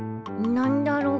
なんだろう？